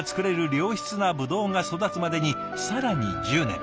良質なブドウが育つまでに更に１０年。